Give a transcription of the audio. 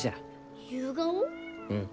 うん。